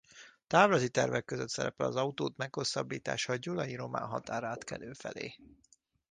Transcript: Távlati tervek között szerepel az autóút meghosszabbítása a gyulai román határátkelő felé.